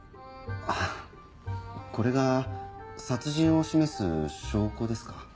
あぁこれが殺人を示す証拠ですか？